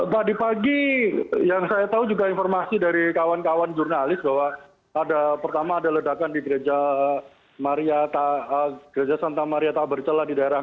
tadi pagi yang saya tahu juga informasi dari kawan kawan jurnalis bahwa pertama ada ledakan di gereja santa maria tabercela di daerah